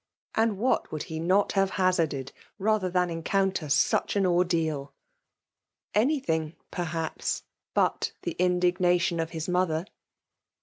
And what would ho not have hazarded, rather than encounter such an ordeal ? 14 FEMALE DOMINATION. Any thing, perhaps, but the indignatioB of his mother